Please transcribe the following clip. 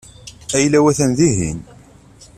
Ayla-w atan dihin.